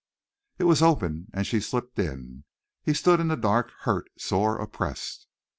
It was open, and she slipped in. He stood in the dark, hurt, sore, oppressed.